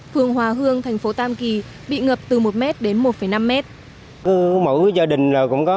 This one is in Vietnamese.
phường hòa hương thành phố tam kỳ bị ngập từ một m đến một năm m